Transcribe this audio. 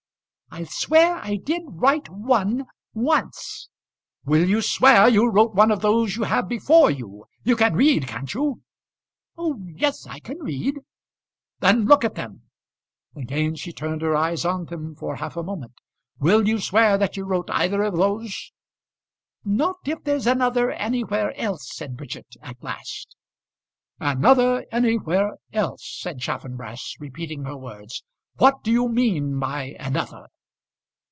"I'll swear I did write one, once." "Will you swear you wrote one of those you have before you? You can read, can't you?" "Oh yes, I can read." "Then look at them." Again she turned her eyes on them for half a moment. "Will you swear that you wrote either of those?" "Not if there's another anywhere else," said Bridget, at last. "Another anywhere else," said Chaffanbrass, repeating her words; "what do you mean by another?"